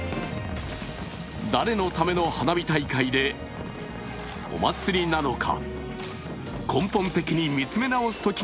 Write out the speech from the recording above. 誰のための花火大会でお祭りなのか。